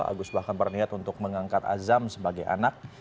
agus bahkan berniat untuk mengangkat azam sebagai anak